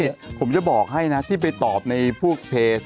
นี่ผมจะบอกให้นะที่ไปตอบในพวกเพจ